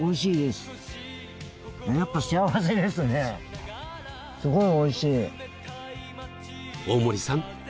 すごい美味しい大森さん